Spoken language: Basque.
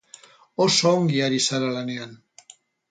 Oso ongi ari zara lanean.